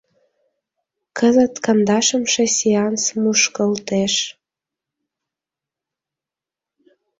— Кызыт кандашымше сеанс мушкылтеш.